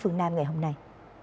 trường nam ngày hôm nay